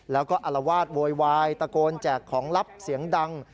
แล้วก็อารวาสโวยวายตะโกนแจกของลับเสียงดัง